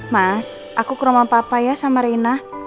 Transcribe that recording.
mas aku ke rumah papa ya sama rina